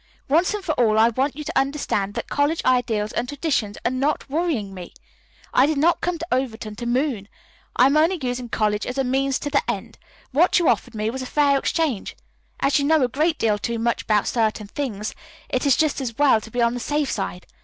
Once and for all I want you to understand that college ideals and traditions are not worrying me. I did not come to Overton to moon. I am only using college as a means to the end. What you offered me was a fair exchange. As you know a great deal too much about certain things, it is just as well to be on the safe side.